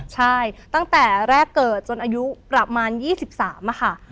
ใช่ตั้งแต่แรกเกิดจนอายุประมาณ๒๓ค่ะ